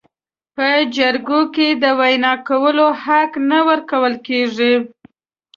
په جرګو کې د وینا کولو حق نه ورکول کیږي.